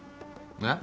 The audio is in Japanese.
えっ？